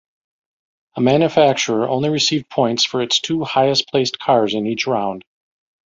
A manufacturer only received points for its two highest placed cars in each round.